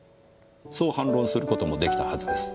そう反論する事もできたはずです。